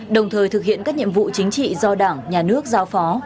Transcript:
đồng thời thực hiện các nhiệm vụ chính trị do đảng nhà nước giao phó